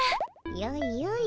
よいよい。